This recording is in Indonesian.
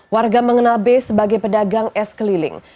warga mengenal b sebagai pedagang es keliling